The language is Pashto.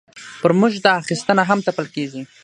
پر موږ دا اخیستنه هم تپل کېږي.